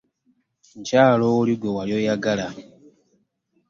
Nkyali oli gwe wali oyagala.